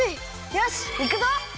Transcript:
よしいくぞ！